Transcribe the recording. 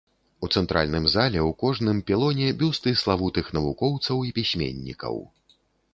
У цэнтральным зале ў кожным пілоне бюсты славутых навукоўцаў і пісьменнікаў.